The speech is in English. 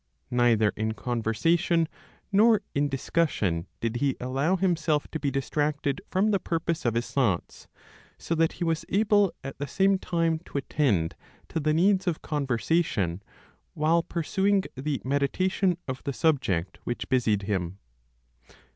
Neither in conversation nor in discussion did he allow himself to be distracted from the purpose of his thoughts, so that he was able at the same time to attend to the needs of conversation, while pursuing the meditation of the subject which busied him.